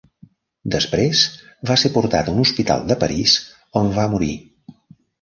Després va ser portat a un hospital de París on va morir.